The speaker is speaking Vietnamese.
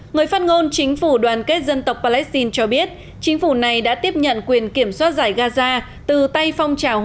người phát ngôn chính phủ đoàn kết dân tộc palestine cho biết chính phủ này đã tiếp nhận quyền kiểm soát giải gaza từ tay phong trào hồi